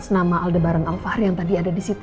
senama aldebaran al fahr yang tadi ada disitu